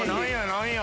何や！